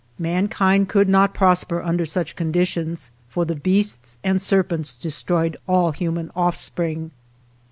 Mankind could not prosper under such conditions, for the beasts and serpents destroyed all human offspring.